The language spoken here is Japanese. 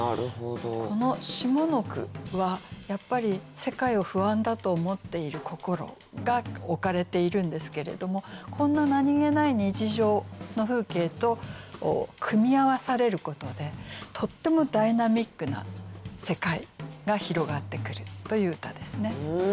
この下の句はやっぱり世界を不安だと思っている心が置かれているんですけれどもこんな何気ない日常の風景と組み合わされることでとってもダイナミックな世界が広がってくるという歌ですね。